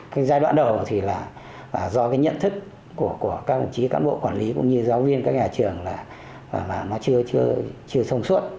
cái giai đoạn đầu thì là do cái nhận thức của các đồng chí cán bộ quản lý cũng như giáo viên các nhà trường là nó chưa thông suốt